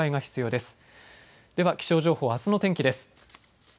では、気象情報あすの天気です。